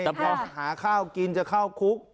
จะหาข้าวกินจะเข้าคุก